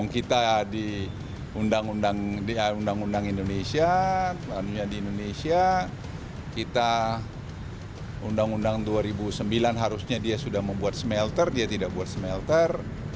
kita di undang undang indonesia di indonesia kita undang undang dua ribu sembilan harusnya dia sudah membuat smelter dia tidak buat smelter